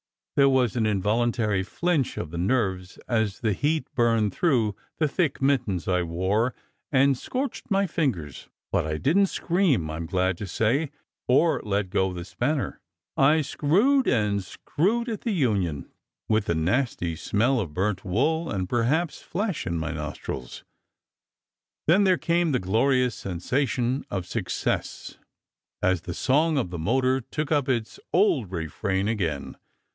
There was an involuntary flinch of the nerves as the heat burned through the thick mittens I wore and scorched my fingers, but I didn t scream, I m glad to say, or let go the spanner. I screwed and screwed at the union, with the nasty smell of burnt wool, and perhaps flesh, in my nostrils. Then there came the glorious sen sation of success as the song of the motor took up its old refrain again.